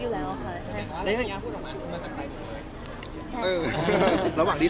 อะไรอย่างนี้พูดออกมามันจากใต้คุณไหม